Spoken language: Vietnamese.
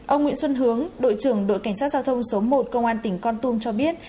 ông nguyễn xuân hướng đội trưởng đội cảnh sát giao thông số một công an tỉnh con tum cho biết